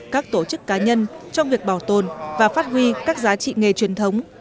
các tổ chức cá nhân trong việc bảo tồn và phát huy các giá trị nghề truyền thống